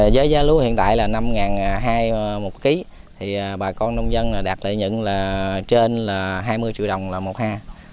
giới giá lúa hiện tại là năm hai trăm linh một ký bà con nông dân đạt lợi nhận trên hai mươi triệu đồng một ha